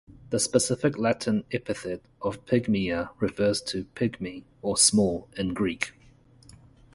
The specific Latin epithet of "pygmaea" refers to pygmy or "small" in Greek.